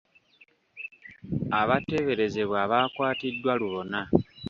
Abateeberezebwa baakwatiddwa lubona.